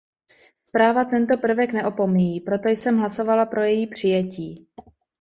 Zpráva tento prvek neopomíjí, proto jsem hlasovala pro její přijetí.